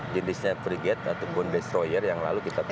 jenisnya frigate atau bone destroyer yang lalu kita punya